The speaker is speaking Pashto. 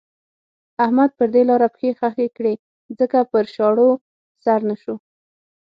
احمد پر دې لاره پښې خښې کړې ځکه پر شاړو سر نه شو.